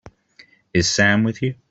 Is Sam with you?